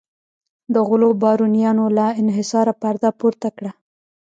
د غلو بارونیانو له انحصاره پرده پورته کړه.